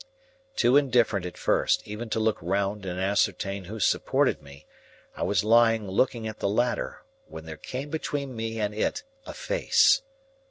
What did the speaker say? Too indifferent at first, even to look round and ascertain who supported me, I was lying looking at the ladder, when there came between me and it a face.